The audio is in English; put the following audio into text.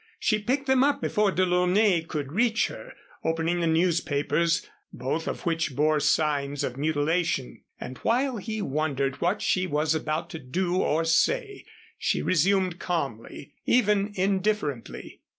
She picked them up before DeLaunay could reach her, opening the newspapers, both of which bore signs of mutilation. And while he wondered what she was about to do or say, she resumed calmly, even indifferently.